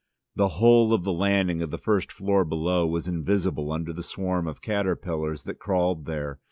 The whole of the landing of the first floor below was invisible under the swarm of caterpillars that crawled there.